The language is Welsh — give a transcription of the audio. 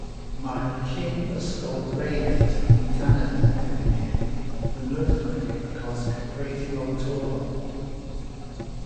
Mae'r cyn ysgol breifat yng Nghanada erbyn hyn yn wrthrych achos cyfreithiol torfol.